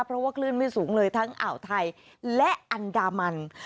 เพราะว่าคลื่นไม่สูงเลยทั้งอ่าวไทยและอันดามัน